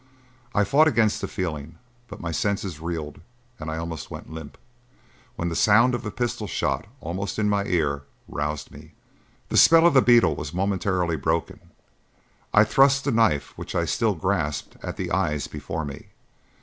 I fought against the feeling, but my senses reeled and I almost went limp, when the sound of a pistol shot, almost in my ear, roused me. The spell of the beetle was momentarily broken. I thrust the knife which I still grasped at the eyes before me.